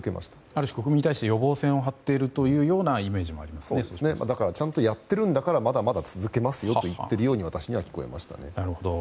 ある種、国民に対して予防線を張っているというちゃんとやっているんだからまだまだ続けますよと言っているように私には聞こえました。